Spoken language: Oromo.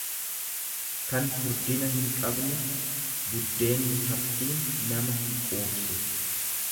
kan furdina hinqabne; Buddeenni haphiin nama hinquubsu.